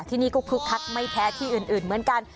ที่นี่ก็คึกคักไม่แพ้ที่อื่นเหมือนกัน